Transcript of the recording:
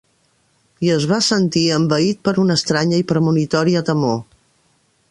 I es va sentir envaït per una estranya i premonitòria temor.